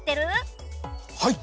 はい！